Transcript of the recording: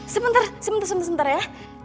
sebentar sebentar sebentar ya